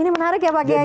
ini menarik ya pak giaing